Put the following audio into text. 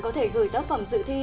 có thể gửi tác phẩm dự thi